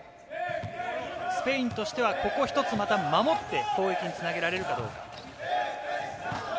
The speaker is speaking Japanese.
スペインとしてはここ一つ、また守って、攻撃につなげられるかどうか。